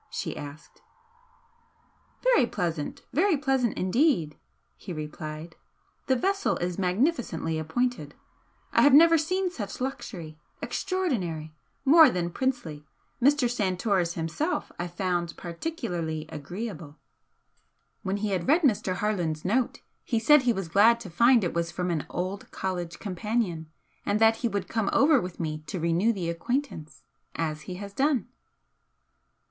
she asked. "Very pleasant very pleasant indeed" he replied "The vessel is magnificently appointed. I have never seen such luxury. Extraordinary! More than princely! Mr. Santoris himself I found particularly agreeable. When he had read Mr. Harland's note, he said he was glad to find it was from an old college companion, and that he would come over with me to renew the acquaintance. As he has done."